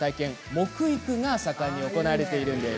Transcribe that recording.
木育が盛んに行われているんです。